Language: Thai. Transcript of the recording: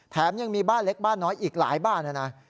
แถมยังมีบ้านเล็กบ้านน้อยอีกหลายบ้านนะนะ